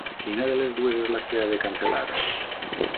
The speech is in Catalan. Quina de les dues és la que ha de cancel·lar?